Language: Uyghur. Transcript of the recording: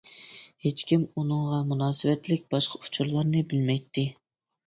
ھېچكىم ئۇنىڭغا مۇناسىۋەتلىك باشقا ئۇچۇرلارنى بىلمەيتتى.